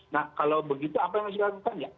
nah kalau begitu apa yang harus dilakukan ya